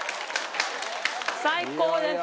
最高です。